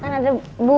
mbak rendy selamat